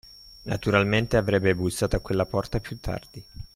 Naturalmente, avrebbe bussato a quella porta, più tardi.